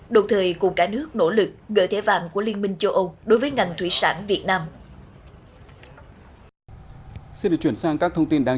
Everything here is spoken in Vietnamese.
đồng thời cùng cả nước nỗ lực gỡ thẻ vàng của liên minh châu âu đối với ngành thủy sản việt nam